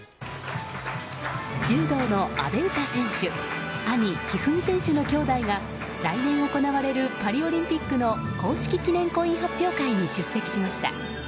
柔道の阿部詩選手兄・一二三選手の兄妹が来年行われるパリオリンピックの公式記念コイン発表会に出席しました。